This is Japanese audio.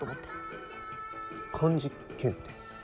漢字検定？